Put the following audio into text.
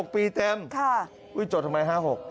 ๖ปีเต็มจดทำไม๕๖